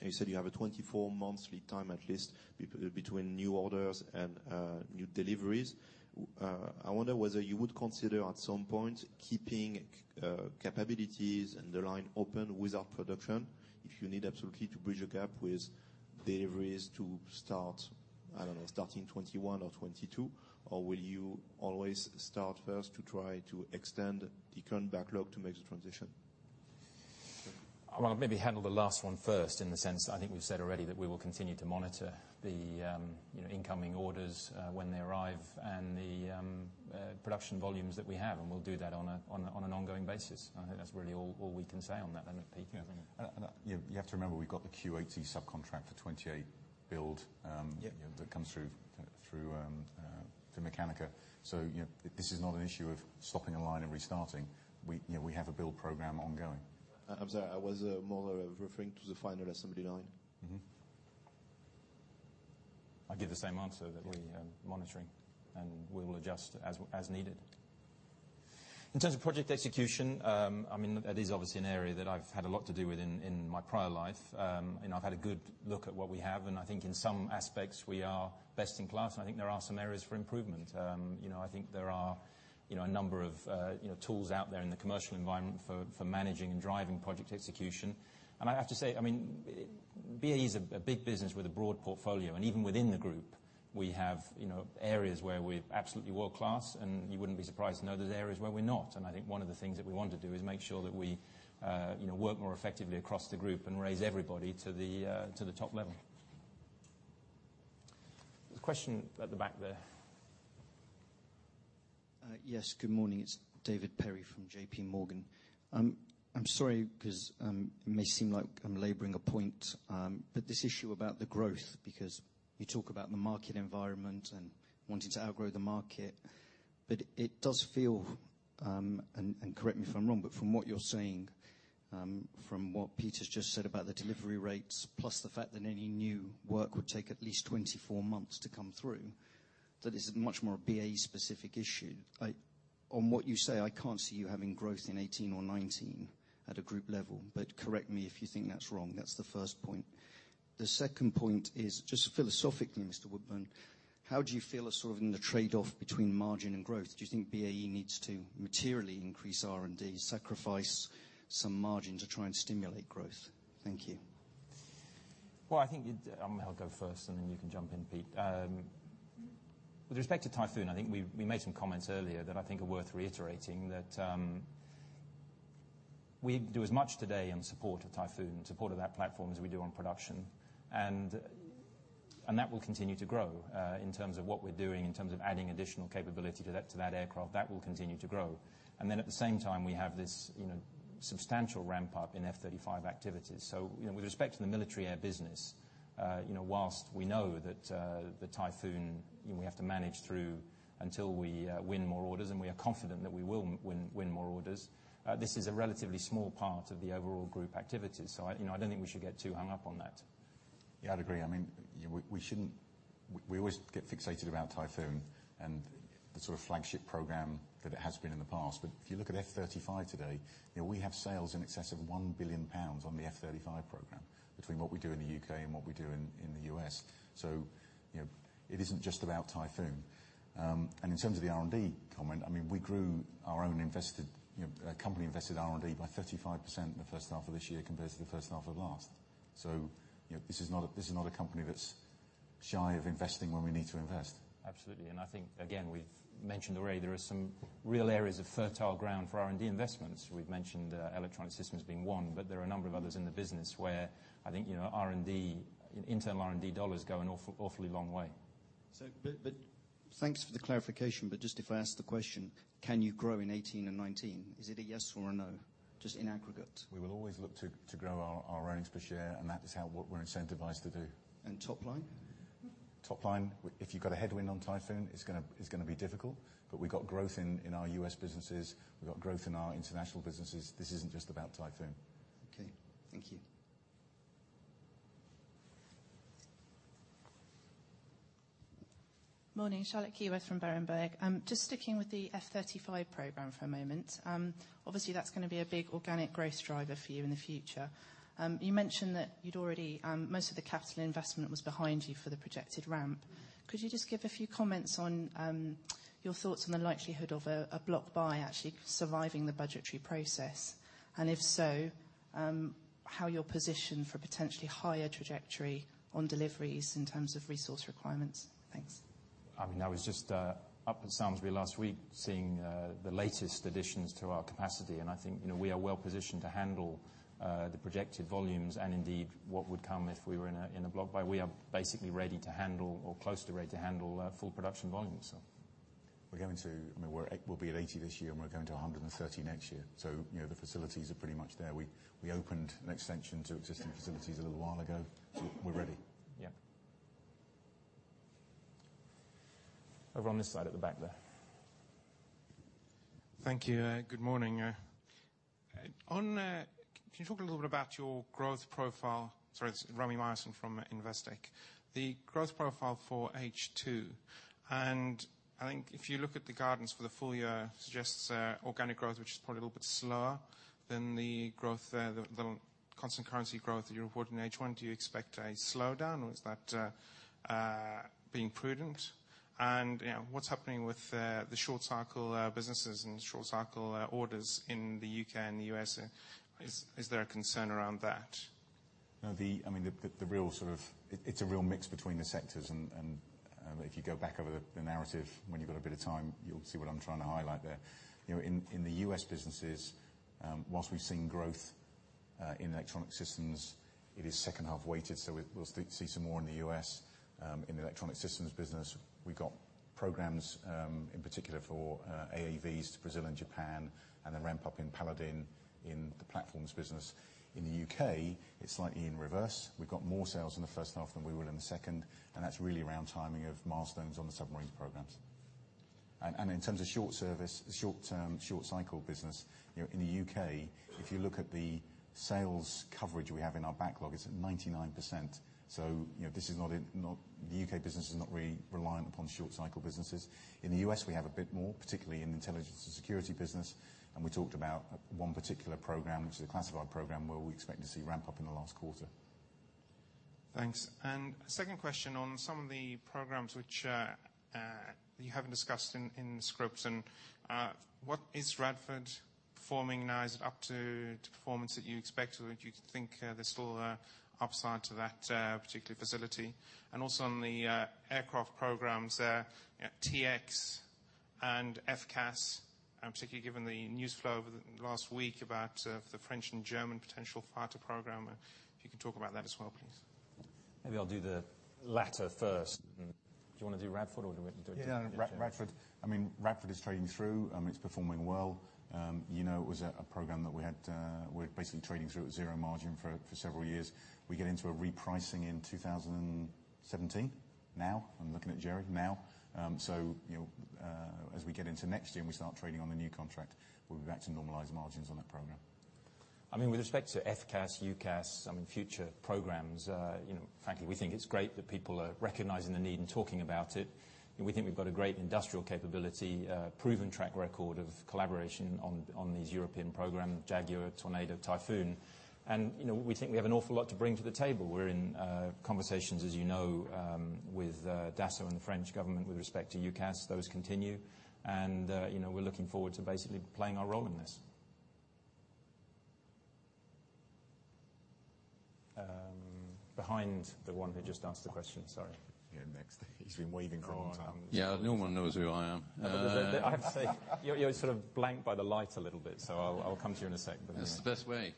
You said you have a 24 monthly time at least between new orders and new deliveries. I wonder whether you would consider at some point keeping capabilities and the line open without production, if you need absolutely to bridge a gap with deliveries to start, I don't know, starting 2021 or 2022, or will you always start first to try to extend the current backlog to make the transition? I'll maybe handle the last one first, in the sense I think we've said already that we will continue to monitor the incoming orders when they arrive and the production volumes that we have, and we'll do that on an ongoing basis. I think that's really all we can say on that. I don't know, Pete? Yeah. You have to remember, we've got the Kuwait subcontract for 28. Yeah That comes through [Mechanica]. This is not an issue of stopping a line and restarting. We have a build program ongoing. I'm sorry. I was more referring to the final assembly line. I give the same answer, that we are monitoring, and we will adjust as needed. In terms of project execution, that is obviously an area that I've had a lot to do with in my prior life. I've had a good look at what we have, and I think in some aspects, we are best in class, and I think there are some areas for improvement. I think there are a number of tools out there in the commercial environment for managing and driving project execution. I have to say, BAE is a big business with a broad portfolio, and even within the group, we have areas where we're absolutely world-class, and you wouldn't be surprised to know there's areas where we're not. I think one of the things that we want to do is make sure that we work more effectively across the group and raise everybody to the top level. There's a question at the back there. Yes. Good morning. It's David Perry from JPMorgan. I'm sorry because it may seem like I'm laboring a point, this issue about the growth, because you talk about the market environment and wanting to outgrow the market, it does feel, and correct me if I'm wrong, but from what you're saying, from what Peter's just said about the delivery rates, plus the fact that any new work would take at least 24 months to come through. That is much more a BAE-specific issue. On what you say, I can't see you having growth in 2018 or 2019 at a group level, correct me if you think that's wrong. That's the first point. The second point is just philosophically, Mr. Woodburn, how do you feel are sort of in the trade-off between margin and growth? Do you think BAE needs to materially increase R&D, sacrifice some margin to try and stimulate growth? Thank you. I think I'll go first, then you can jump in, Pete. With respect to Typhoon, I think we made some comments earlier that I think are worth reiterating, that we do as much today in support of Typhoon, support of that platform, as we do on production. That will continue to grow, in terms of what we're doing, in terms of adding additional capability to that aircraft. That will continue to grow. At the same time, we have this substantial ramp-up in F-35 activities. With respect to the military air business, whilst we know that the Typhoon, we have to manage through until we win more orders, and we are confident that we will win more orders, this is a relatively small part of the overall group activity. I don't think we should get too hung up on that. I'd agree. We always get fixated about Typhoon and the sort of flagship program that it has been in the past. If you look at F-35 today, we have sales in excess of 1 billion pounds on the F-35 program, between what we do in the U.K. and what we do in the U.S. It isn't just about Typhoon. In terms of the R&D comment, we grew our own company-invested R&D by 35% in the first half of this year compared to the first half of last. This is not a company that's shy of investing when we need to invest. Absolutely. I think, again, we've mentioned already, there are some real areas of fertile ground for R&D investments. We've mentioned Electronic Systems being one, but there are a number of others in the business where I think, internal R&D dollars go an awfully long way. Thanks for the clarification, if I ask the question, can you grow in 2018 and 2019? Is it a yes or a no, just in aggregate? We will always look to grow our earnings per share, and that is what we're incentivized to do. Top line? Top line, if you've got a headwind on Typhoon, it's going to be difficult, but we've got growth in our U.S. businesses. We've got growth in our international businesses. This isn't just about Typhoon. Okay. Thank you. Morning. Charlotte Keyworth from Berenberg. Just sticking with the F-35 program for a moment. Obviously, that's going to be a big organic growth driver for you in the future. You mentioned that most of the capital investment was behind you for the projected ramp. Could you just give a few comments on your thoughts on the likelihood of a block buy actually surviving the budgetary process? If so, how you're positioned for potentially higher trajectory on deliveries in terms of resource requirements. Thanks. I was just up at Samlesbury last week, seeing the latest additions to our capacity, and I think we are well-positioned to handle the projected volumes and indeed, what would come if we were in a block buy. We are basically ready to handle or close to ready to handle full production volumes. We'll be at 80 this year, and we're going to 130 next year. The facilities are pretty much there. We opened an extension to existing facilities a little while ago. We're ready. Yeah. Over on this side at the back there. Thank you. Good morning. Can you talk a little bit about your growth profile? Sorry, it's Rami Myerson from Investec. I think if you look at the guidance for the full year, the growth profile for H2 suggests organic growth, which is probably a little bit slower than the constant currency growth that you reported in H1. Do you expect a slowdown, or is that being prudent? What's happening with the short-cycle businesses and the short-cycle orders in the U.K. and the U.S.? Is there a concern around that? It's a real mix between the sectors. If you go back over the narrative, when you've got a bit of time, you'll see what I'm trying to highlight there. In the U.S. businesses, whilst we've seen growth in Electronic Systems, it is second-half weighted, so we'll see some more in the U.S. in the Electronic Systems business. We got programs, in particular for AAVs to Brazil and Japan, then ramp up in Paladin in the platforms business. In the U.K., it's slightly in reverse. We've got more sales in the first half than we will in the second, and that's really around timing of milestones on the submarines programs. In terms of short service, the short-term, short-cycle business, in the U.K., if you look at the sales coverage we have in our backlog, it's at 99%. The U.K. business is not really reliant upon short-cycle businesses. In the U.S., we have a bit more, particularly in the intelligence and security business. We talked about one particular program, which is a classified program, where we expect to see ramp up in the last quarter. Thanks. Second question on some of the programs which you haven't discussed in the scripts. What is Radford performing now? Is it up to performance that you expect or do you think there's still a upside to that particular facility? Also, on the aircraft programs there, T-X and FCAS, particularly given the news flow over the last week about the French and German potential fighter program, if you could talk about that as well, please. Maybe I will do the latter first. Do you want to do Radford, or do you want me to do it? Yeah, Radford is trading through. It is performing well. It was a program that we are basically trading through at zero margin for several years. We get into a repricing in 2017. Now, I am looking at Jerry, now. As we get into next year and we start trading on the new contract, we will be back to normalized margins on that program. With respect to FCAS, UCAS, future programs, frankly, we think it is great that people are recognizing the need and talking about it. We think we have got a great industrial capability, proven track record of collaboration on these European program, Jaguar, Tornado, Typhoon. We think we have an awful lot to bring to the table. We are in conversations, as you know, with Dassault and the French government with respect to UCAS. Those continue, and we are looking forward to basically playing our role in this. Behind the one who just asked the question, sorry. Yeah, next. He has been waving for a long time. Yeah. No one knows who I am. I have to say, you're sort of blanked by the light a little bit. I'll come to you in a sec. That's the best way.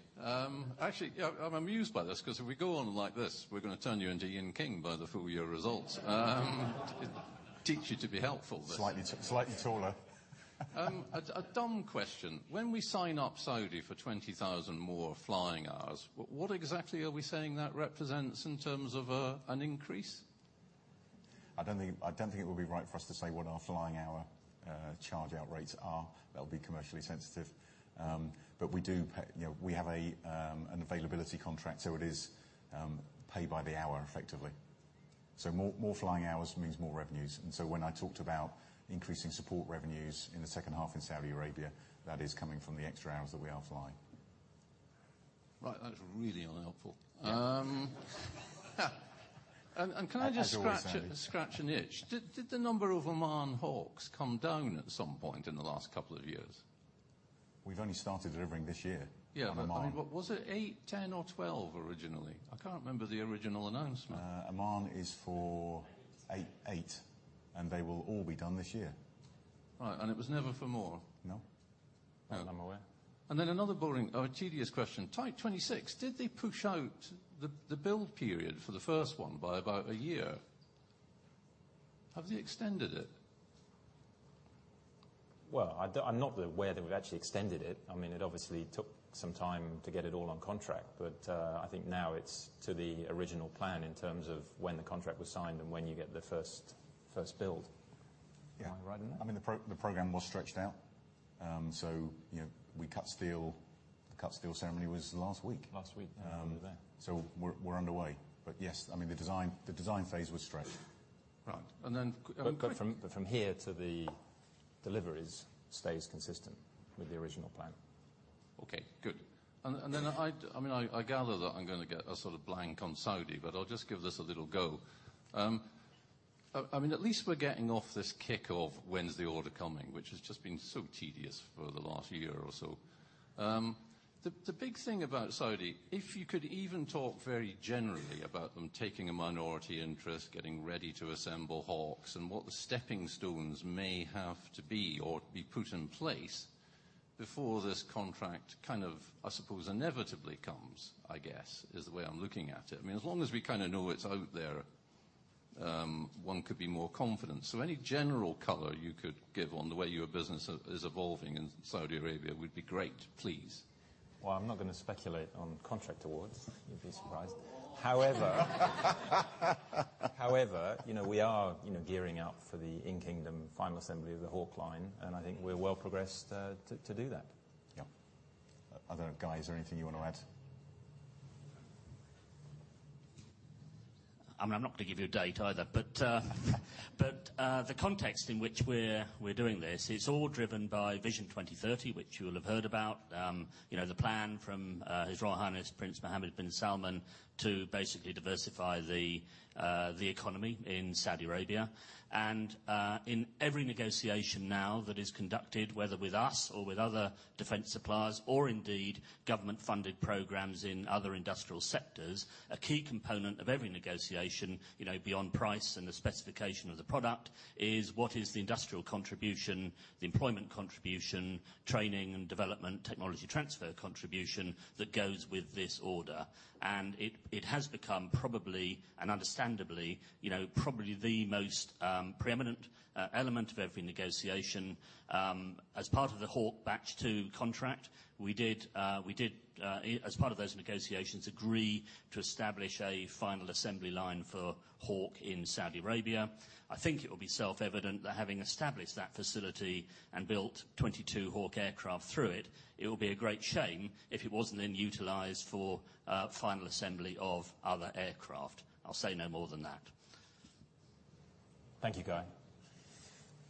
Actually, I'm amused by this, because if we go on like this, we're going to turn you into Ian King by the full year results. Teach you to be helpful. Slightly taller. A dumb question. When we sign up Saudi for 20,000 more flying hours, what exactly are we saying that represents in terms of an increase? I don't think it would be right for us to say what our flying hour charge-out rates are. That would be commercially sensitive. We have an availability contract, it is pay by the hour, effectively. More flying hours means more revenues. When I talked about increasing support revenues in the second half in Saudi Arabia, that is coming from the extra hours that we are flying. Right. That's really unhelpful. Yeah. Can I just- As always, Andy scratch an itch? Did the number of Oman Hawks come down at some point in the last couple of years? We've only started delivering this year for Oman. Yeah. Was it eight, 10 or 12 originally? I can't remember the original announcement. Oman is for eight. They will all be done this year. Right. It was never for more? No, not that I'm aware. Another boring or tedious question. Type 26, did they push out the build period for the first one by about a year? Have they extended it? Well, I'm not aware that we've actually extended it. It obviously took some time to get it all on contract. I think now it's to the original plan in terms of when the contract was signed and when you get the first build. Am I right in that? Yeah. The program was stretched out. We cut steel. The cut steel ceremony was last week. Last week. Yeah, I wasn't there. We're underway. Yes, the design phase was stretched. Right. From here to the deliveries stays consistent with the original plan. Okay, good. I gather that I'm going to get a sort of blank on Saudi, but I'll just give this a little go. At least we're getting off this kick of when's the order coming, which has just been so tedious for the last year or so. The big thing about Saudi, if you could even talk very generally about them taking a minority interest, getting ready to assemble Hawks, and what the stepping stones may have to be, or be put in place before this contract, I suppose, inevitably comes, I guess, is the way I'm looking at it. As long as we know it's out there, one could be more confident. Any general color you could give on the way your business is evolving in Saudi Arabia would be great, please. Well, I'm not going to speculate on contract awards. You'd be surprised. Oh. However, we are gearing up for the in-kingdom final assembly of the Hawk line, and I think we're well progressed, to do that. Yep. Other guys, is there anything you want to add? I'm not going to give you a date either. The context in which we're doing this is all driven by Vision 2030, which you will have heard about. The plan from His Royal Highness Prince Mohammed bin Salman to basically diversify the economy in Saudi Arabia. In every negotiation now that is conducted, whether with us or with other defense suppliers or indeed government-funded programs in other industrial sectors, a key component of every negotiation, beyond price and the specification of the product, is what is the industrial contribution, the employment contribution, training and development, technology transfer contribution that goes with this order. It has become probably, and understandably, probably the most preeminent element of every negotiation. As part of the Hawk Batch Two contract, we did, as part of those negotiations, agree to establish a final assembly line for Hawk in Saudi Arabia. I think it will be self-evident that having established that facility and built 22 Hawk aircraft through it will be a great shame if it wasn't then utilized for final assembly of other aircraft. I'll say no more than that. Thank you, Guy.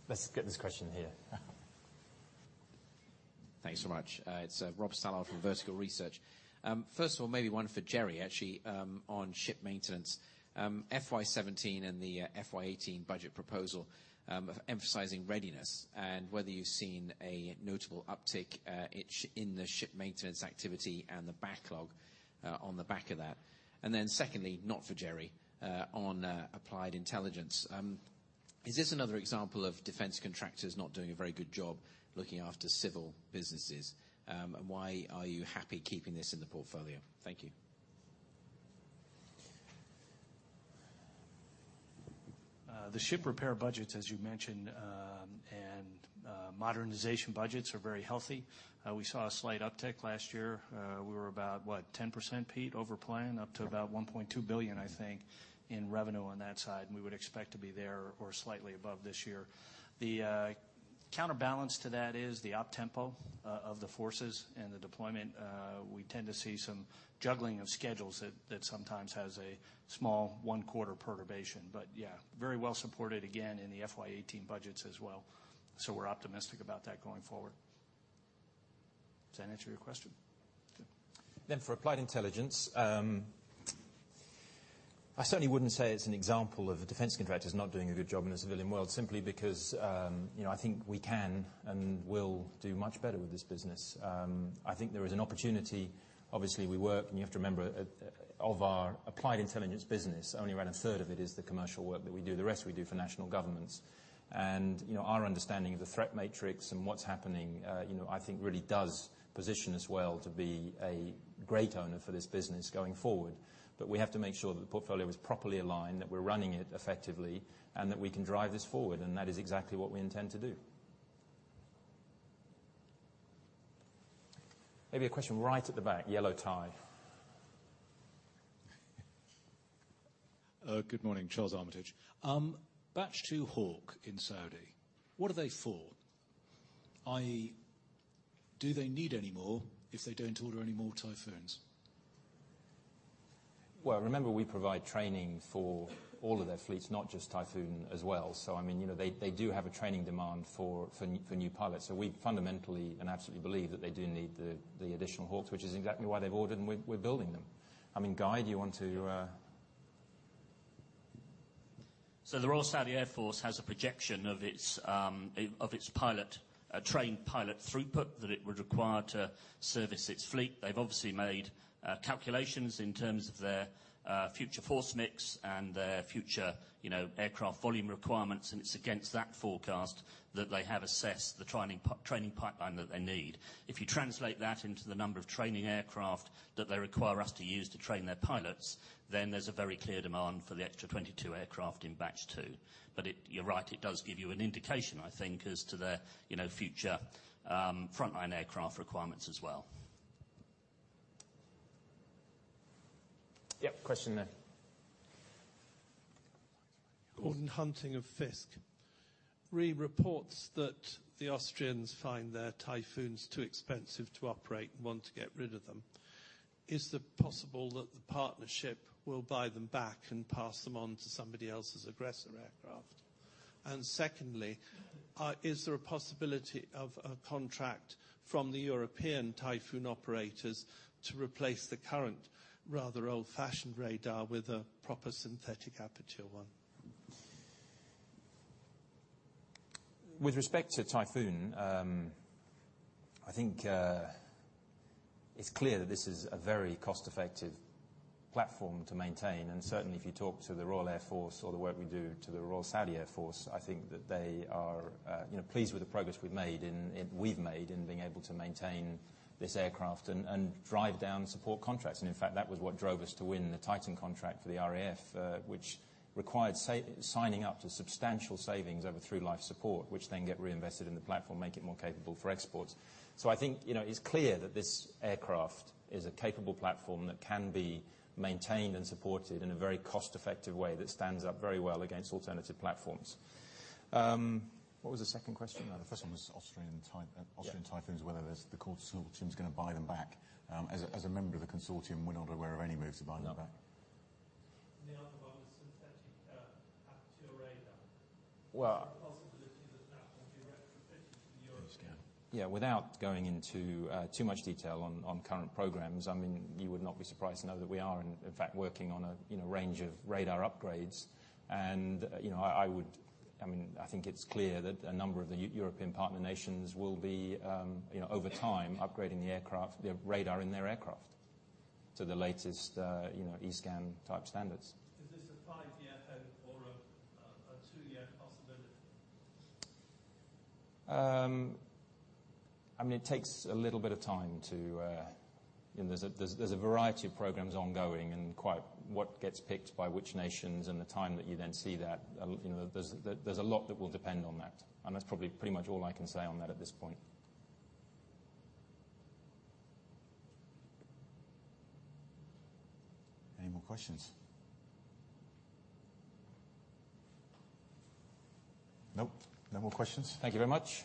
Let's get this question here. Thanks so much. It's Rob Stallard from Vertical Research. First of all, maybe one for Jerry, actually, on ship maintenance. FY 2017 and the FY 2018 budget proposal, emphasizing readiness and whether you've seen a notable uptick in the ship maintenance activity and the backlog, on the back of that. Secondly, not for Jerry, on Applied Intelligence. Is this another example of defense contractors not doing a very good job looking after civil businesses? Why are you happy keeping this in the portfolio? Thank you. The ship repair budgets, as you mentioned, and Modernization budgets are very healthy. We saw a slight uptick last year. We were about what, 10%, Pete, over plan? Up to about 1.2 billion, I think, in revenue on that side, and we would expect to be there or slightly above this year. The counterbalance to that is the op tempo of the forces and the deployment. We tend to see some juggling of schedules that sometimes has a small one-quarter perturbation. Yeah, very well-supported, again, in the FY 2018 budgets as well, we're optimistic about that going forward. Does that answer your question? Good. For Applied Intelligence, I certainly wouldn't say it's an example of a defense contractor that's not doing a good job in the civilian world simply because I think we can and will do much better with this business. I think there is an opportunity. Obviously, we work, and you have to remember, of our Applied Intelligence business, only around a third of it is the commercial work that we do. The rest we do for national governments. Our understanding of the threat matrix and what's happening, I think, really does position us well to be a great owner for this business going forward. We have to make sure that the portfolio is properly aligned, that we're running it effectively, and that we can drive this forward, that is exactly what we intend to do. Maybe a question right at the back, yellow tie. Good morning. Charles Armitage. Batch 2 Hawk in Saudi, what are they for? I.e., do they need any more if they don't order any more Typhoons? Remember, we provide training for all of their fleets, not just Typhoon as well. They do have a training demand for new pilots. We fundamentally and absolutely believe that they do need the additional Hawks, which is exactly why they've ordered them, and we're building them. Guy, do you want to- The Royal Saudi Air Force has a projection of its trained pilot throughput that it would require to service its fleet. They've obviously made calculations in terms of their future force mix and their future aircraft volume requirements, and it's against that forecast that they have assessed the training pipeline that they need. If you translate that into the number of training aircraft that they require us to use to train their pilots, then there's a very clear demand for the extra 22 aircraft in batch 2. You're right, it does give you an indication, I think, as to their future frontline aircraft requirements as well. Yep. Question there. Gordon Hunting of Fiske. Reports that the Austrians find their Typhoons too expensive to operate and want to get rid of them, is it possible that the partnership will buy them back and pass them on to somebody else as aggressor aircraft? Secondly, is there a possibility of a contract from the European Typhoon operators to replace the current rather old-fashioned radar with a proper synthetic aperture one? With respect to Typhoon, I think it's clear that this is a very cost-effective platform to maintain, and certainly if you talk to the Royal Air Force or the work we do to the Royal Saudi Air Force, I think that they are pleased with the progress we've made in being able to maintain this aircraft and drive down support contracts. In fact, that was what drove us to win the TyTAN contract for the RAF, which required signing up to substantial savings over through life support, which then get reinvested in the platform, make it more capable for exports. I think it's clear that this aircraft is a capable platform that can be maintained and supported in a very cost-effective way that stands up very well against alternative platforms. What was the second question? The first one was Austrian Typhoons. Yeah Whether the consortium's going to buy them back. As a member of the consortium, we're not aware of any moves to buy them back. No. The other one was synthetic aperture radar. Well- Is there a possibility that that will be retrofitted to the Captor-E? Yeah, without going into too much detail on current programs, you would not be surprised to know that we are, in fact, working on a range of radar upgrades. I think it's clear that a number of the European partner nations will be, over time, upgrading the radar in their aircraft to the latest E-scan type standards. Is this a five-year hope or a two-year possibility? It takes a little bit of time. There's a variety of programs ongoing, what gets picked by which nations and the time that you then see that, there's a lot that will depend on that. That's probably pretty much all I can say on that at this point. Any more questions? Nope. No more questions. Thank you very much